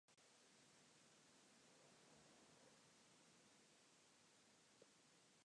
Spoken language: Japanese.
こんにちは世界